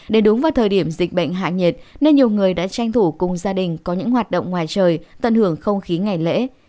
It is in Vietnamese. để đúng vào thời điểm dịch bệnh hạ nhiệt nên nhiều người đã tranh thủ cùng gia đình có những hoạt động ngoài trời tận hưởng không khí ngày lễ